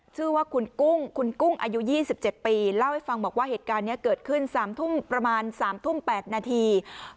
ชื่อว่าคุณกุ้งคุณกุ้งอายุ๒๗ปีเล่าให้ฟังบอกว่าเหตุการณ์นี้เกิดขึ้น๓ทุ่มประมาณ๓ทุ่ม๘นาที